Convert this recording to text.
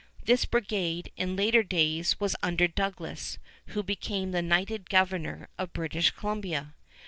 This brigade, in later days, was under Douglas, who became the knighted governor of British Columbia.